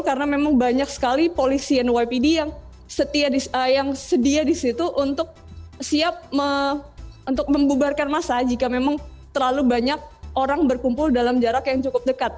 karena memang banyak sekali polisi nypd yang sedia di situ untuk siap membubarkan masa jika memang terlalu banyak orang berkumpul dalam jarak yang cukup dekat